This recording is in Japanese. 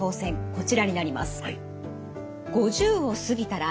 こちらになります。